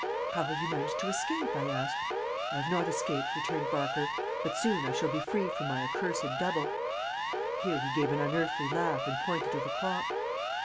"'How have you managed to escape?' I asked. "'I have not escaped,' returned Barker. 'But I soon shall be free from my accursed double.' "Here he gave an unearthly laugh and pointed to the clock.